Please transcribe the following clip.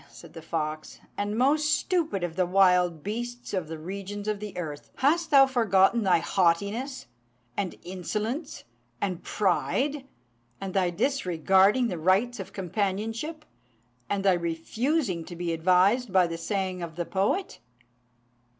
said the fox, "and most stupid of the wild beasts of the regions of the earth, hast thou forgotten thy haughtiness, and insolence, and pride, and thy disregarding the rights of companionship, and thy refusing to be advised by the saying of the poet?